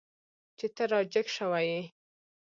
چې ته را جګ شوی یې.